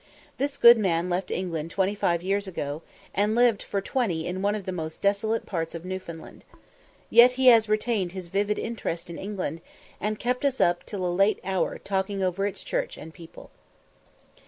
This good man left England twenty five years ago, and lived for twenty in one of the most desolate parts of Newfoundland. Yet he has retained his vivid interest in England, and kept us up till a late hour talking over its church and people.